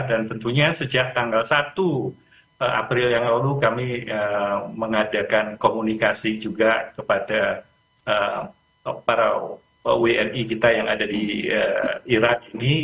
dan tentunya sejak tanggal satu april yang lalu kami mengadakan komunikasi juga kepada para wni kita yang ada di iran ini